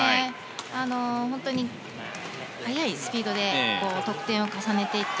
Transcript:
本当に速いスピードで得点を重ねていった。